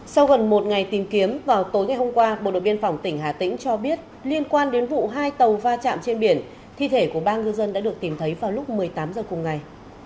sau gần một ngày tìm kiếm vào tối ngày hôm qua bộ đội biên phòng tỉnh hà tĩnh cho biết liên quan đến vụ hai tàu va chạm trên biển thi thể của ba ngư dân đã được tìm thấy vào lúc một mươi tám h cùng ngày